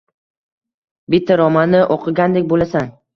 Bitta romanni o‘qigandek bo‘lasan.